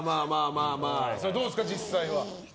どうですか、実際は。